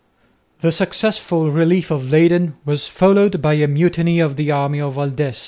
The successful relief of Leyden was followed by a mutiny of the army of Valdez.